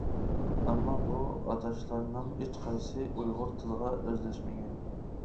ئەمما بۇ ئاتاشلارنىڭ ھېچقايسى ئۇيغۇر تىلىغا ئۆزلەشمىگەن.